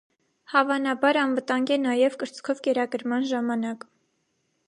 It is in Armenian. Հավանաբար անվտանգ է նաև կրծքով կերակրման ժամանակ։